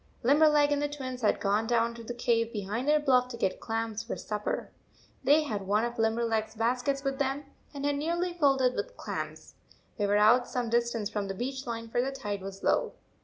Limberleg and the Twins had gone down to the cave behind their bluff to get clams for supper. They had one of Limberleg s baskets with them, and had nearly filled it with clams. They were out some distance from the beach line, for the tide was low.